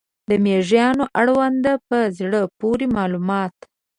د مېږیانو اړوند په زړه پورې معلومات